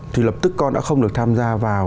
thì lập tức con đã không được tham gia vào